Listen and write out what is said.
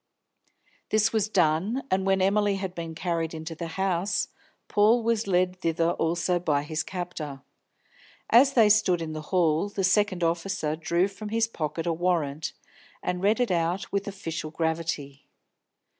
This was done, and when Emily had been carried into the house, Paul was led thither also by his captor. As they stood in the hall, the second officer drew from his pocket a warrant, and read it out with official gravity.